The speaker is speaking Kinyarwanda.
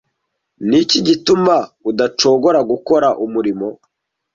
Ni iki gituma udacogora gukora umurimo